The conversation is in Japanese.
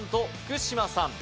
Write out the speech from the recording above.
福島さん